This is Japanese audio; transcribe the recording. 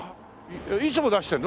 いつも出してるの？